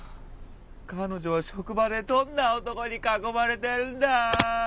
彼女は職場でどんな男に囲まれてるんだ！